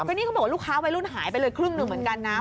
ก็นี่เขาบอกว่าลูกค้าวัยรุ่นหายไปเลยครึ่งหนึ่งเหมือนกันนะ